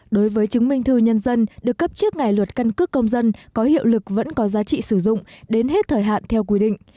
đối với chứng minh thư nhân dân được cấp trước ngày luật căn cước công dân có hiệu lực vẫn có giá trị sử dụng đến hết thời hạn theo quy định